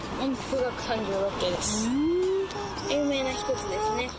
有名な１つですね。